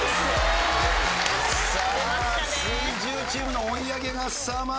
さあ水１０チームの追い上げがすさまじいぞ。